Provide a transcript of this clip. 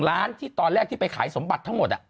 ล้านที่ตอนแรกที่ไปขายสมบัติทั้งหมด